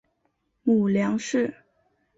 母梁氏。